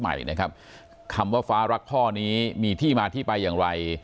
ใหม่นะครับคำว่าฟ้ารักพ่อนี้มีที่มาที่ไปอย่างไร